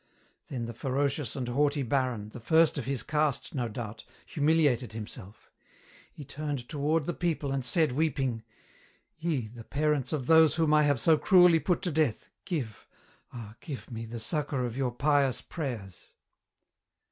Then the ferocious and haughty baron, the first of his caste no doubt, humiliated himself. He turned toward the people and said, weeping, "Ye, the parents of those whom I have so cruelly put to death, give, ah give me, the succour of your pious prayers!"